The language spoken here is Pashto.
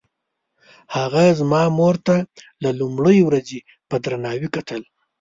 هغه زما مور ته له لومړۍ ورځې په درناوي کتل.